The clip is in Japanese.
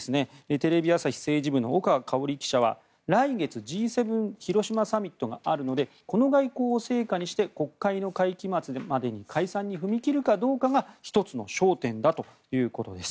テレビ朝日政治部の岡香織記者は来月Ｇ７広島サミットがあるのでこの外交を成果にして国会の会期末までに解散に踏み切るかどうかが１つの焦点だということです。